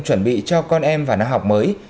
chuẩn bị cho con em vào năm học mới